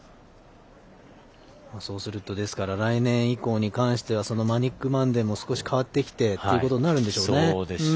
そうすると来年以降に関するとそのマニックマンデーも少し変わってきて、ということになるんでしょうね。